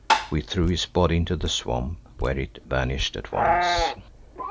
We threw his body into the swamp, where it vanished at once.